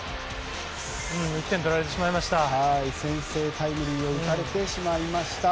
１点取られてしまいました。